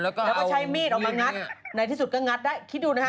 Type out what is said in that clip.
แล้วก็ใช้มีดออกมางัดในที่สุดก็งัดได้คิดดูนะฮะ